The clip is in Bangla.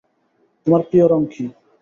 তোমার প্রিয় রং কী?